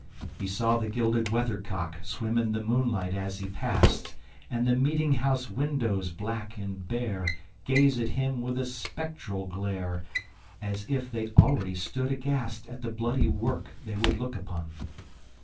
He saw the gilded weathercock Swim in the moonlight as he passed, And the meeting house windows, blank and bare, Gaze at him with a spectral glare, As if they already stood aghast At the bloody work they would look upon.